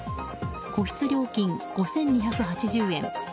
個室料金５２８０円